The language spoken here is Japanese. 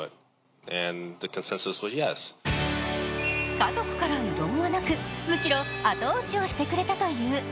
家族から異論はなく、むしろ後押しをしてくれたという。